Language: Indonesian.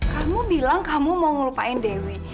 kamu bilang kamu mau ngelupain dewi